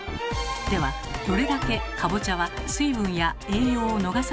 ではどれだけかぼちゃは水分や栄養を逃さないのか？